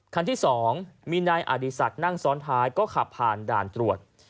คันที่๒มีนายอดีศักดิ์นั่งซ้อนท้ายก็ขับผ่านด่านตรวจ